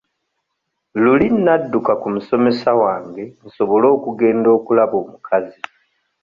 Luli nnadduka ku musomesa wange nsobole okugenda okulaba omukazi.